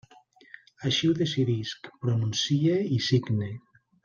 Així ho decidisc, pronuncie i signe.